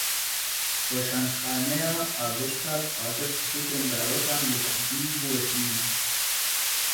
Weşanxaneya Avesta, dixwaze pirtûkên zarokan bi Kurdî biweşîne